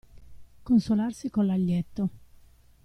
Consolarsi con l'aglietto.